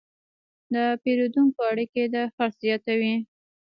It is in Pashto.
د پیرودونکو اړیکې د خرڅ زیاتوي.